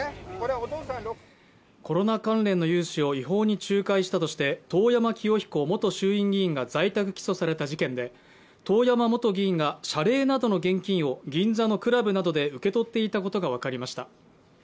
コロナ関連の融資を違法に仲介したとして遠山被告元衆院議員が在宅起訴された事件で遠山元議員が謝礼などの現金を銀座のクラブなどで受け取っていたことが分かりました。